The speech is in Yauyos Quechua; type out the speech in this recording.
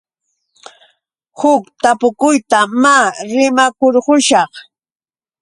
Huk tapukuyta maa rimakurqushaq.